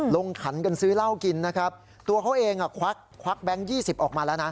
ลงขันกันซื้อเหล้ากินตัวเขาเองควักแบงค์๒๐บาทออกมาแล้ว